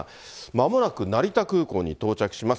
まもなく成田空港に到着します。